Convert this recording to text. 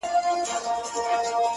اوس يې څنگه ښه له ياده وباسم”